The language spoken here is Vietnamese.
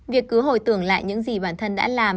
việc cứ hồi tưởng lại những gì bản thân đã làm